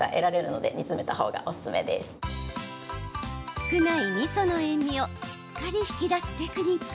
少ない、みその塩みをしっかり引き出すテクニック。